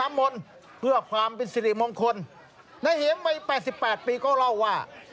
มนต์เพื่อความเป็นสิริมงคลนายเห็มวัยแปดสิบแปดปีก็เล่าว่า